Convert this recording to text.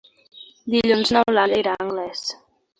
Dilluns n'Eulàlia irà a Anglès.